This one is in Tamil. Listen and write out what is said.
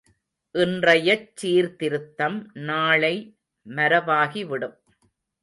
இன்றையச் சீர்த்திருத்தம் நாளை மரபாகிவிடும்.